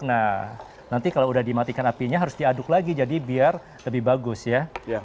nah nanti kalau udah dimatikan apinya harus diaduk lagi jadi biar lebih bagus ya